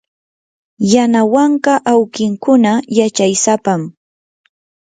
yanawanka awkinkuna yachaysapam.